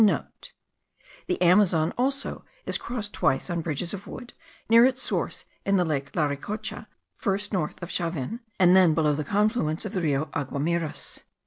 (* The Amazon also is crossed twice on bridges of wood near its source in the lake Lauricocha; first north of Chavin, and then below the confluence of the Rio Aguamiras.